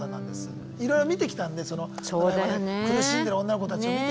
いろいろ見てきたんでそのドライバーで苦しんでる女の子たちをね。